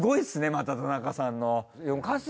また田中さんの。